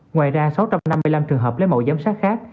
ngoài ra sáu trăm năm mươi năm trường hợp lấy mẫu giám sát khác